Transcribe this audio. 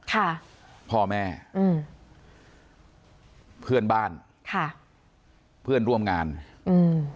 ค่ะพ่อแม่อืมเพื่อนบ้านค่ะเพื่อนร่วมงานอืม